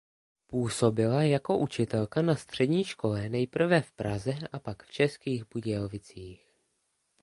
Působila jako učitelka na střední škole nejprve v Praze a pak v Českých Budějovicích.